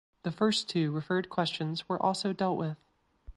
The first two referred questions were also dealt with.